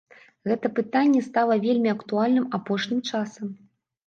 Гэта пытанне стала вельмі актуальным апошнім часам.